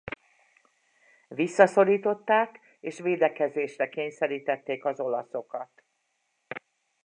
Visszaszorították és védekezésre kényszerítették az olaszokat.